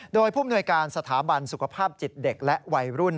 โดยผู้มนวยการสถาบันสุขภาพจิตเด็กและวัยรุ่น